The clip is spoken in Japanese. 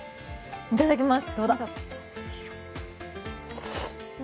いただきます。